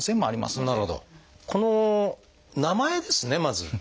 この名前ですねまず。